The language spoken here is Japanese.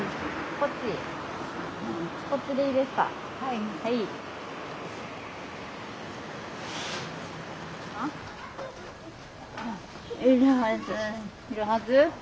いるはず？